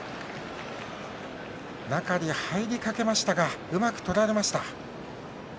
中に入りかけましたがうまく取られました。